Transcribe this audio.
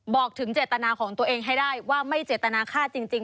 บอกถึงเจตนาของตัวเองให้ได้ว่าไม่เจตนาฆ่าจริง